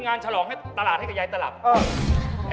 เอาดูดิเปล่าอันคลิป